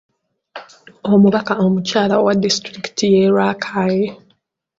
Omubaka omukyala owa Disitulikiti y'e Rakai